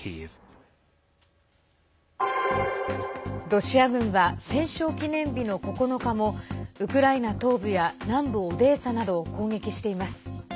ロシア軍は戦勝記念日の９日もウクライナ東部や南部オデーサなどを攻撃しています。